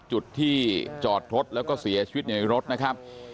จุดที่จอดรถแล้วก็เสียชีวิตในรถนะครับ